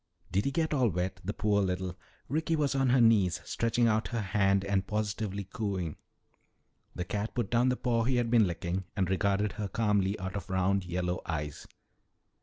"Did he get all wet, the poor little " Ricky was on her knees, stretching out her hand and positively cooing. The cat put down the paw he had been licking and regarded her calmly out of round, yellow eyes.